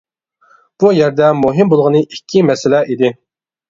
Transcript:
بۇ يەردە مۇھىم بولغىنى ئىككى مەسىلە ئىدى.